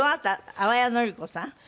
淡谷のり子さん？